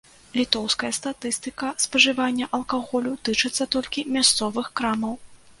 Літоўская статыстыка спажывання алкаголю тычыцца толькі мясцовых крамаў.